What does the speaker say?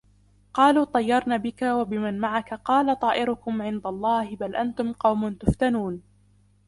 قَالُوا اطَّيَّرْنَا بِكَ وَبِمَنْ مَعَكَ قَالَ طَائِرُكُمْ عِنْدَ اللَّهِ بَلْ أَنْتُمْ قَوْمٌ تُفْتَنُونَ